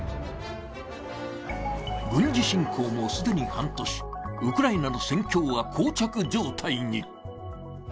軍事侵攻も既に半年、ウクライナの戦況はこう着状態に。